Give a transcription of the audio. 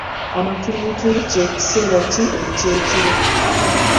Amatulutulu ky’ekiseera ki eky’ekiro?